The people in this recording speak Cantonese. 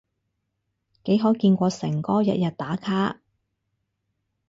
幾可見過誠哥日日打卡？